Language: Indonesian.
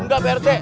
enggak pak rete